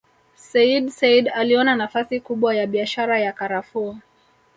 Sayyid Said aliona nafasi kubwa ya biashara ya Karafuu